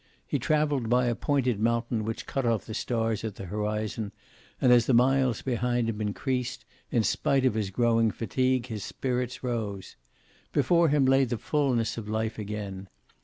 He traveled by a pointed mountain which cut off the stars at the horizon, and as the miles behind him increased, in spite of his growing fatigue his spirits rose. Before him lay the fulness of life again.